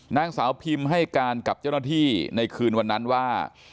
นางสาวพิมให้การกับเจ้าหน้าที่ในคืนวันนั้นว่า